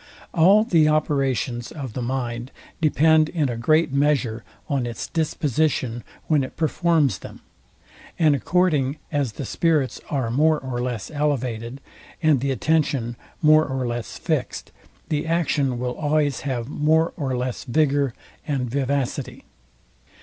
All the operations of the mind depend in a great measure on its disposition, when it performs them; and according as the spirits are more or less elevated, and the attention more or less fixed, the action will always have more or less vigour and vivacity.